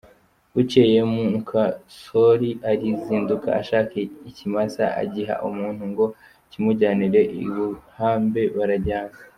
Bukeye muka Syoli arazinduka ashaka ikimasa, agiha umuntu ngo akimujyanire i Buhambe barajyana.